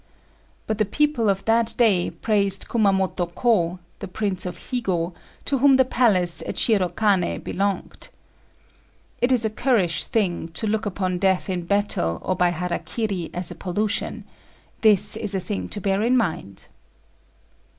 But the people of that day praised Kumamoto Ko (the Prince of Higo), to whom the palace at Shirokané belonged. It is a currish thing to look upon death in battle or by hara kiri as a pollution: this is a thing to bear in mind.